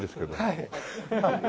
はい。